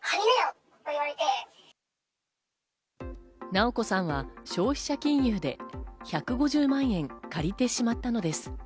なおこさんは消費者金融で１５０万円借りてしまったのです。